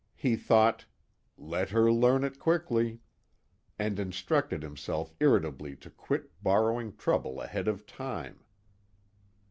He thought: Let her learn it quickly! And instructed himself irritably to quit borrowing trouble ahead of time.